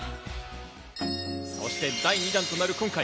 そして第２弾となる今回。